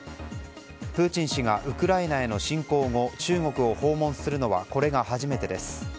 プーチン氏がウクライナへの侵攻後中国を訪問するのはこれが初めてです。